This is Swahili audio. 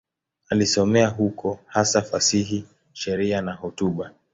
Alisomea huko, hasa fasihi, sheria na hotuba.